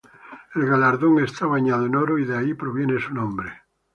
El galardón está bañado en oro y de ahí proviene su nombre.